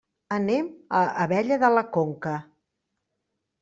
Anem a Abella de la Conca.